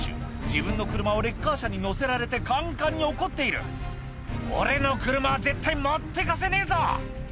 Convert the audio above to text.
自分の車をレッカー車に載せられてカンカンに怒っている「俺の車は絶対持って行かせねえぞ！」